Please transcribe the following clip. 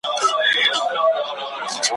همېشه یې وې په شاتو نازولي ,